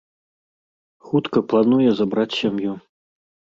Хутка плануе забраць сям'ю.